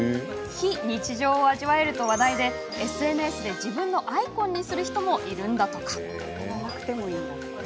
非日常を味わえると話題でＳＮＳで自身のアイコンにする人もいるんだとか。